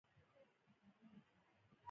سوړ جنګ اسلامي ملکونو ته زیان رسولی